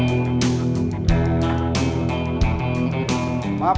nah pendek kemudian bagaimana